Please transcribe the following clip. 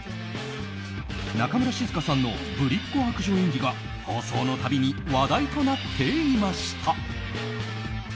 中村静香さんのぶりっこ悪女演技が放送の度に話題となっていました。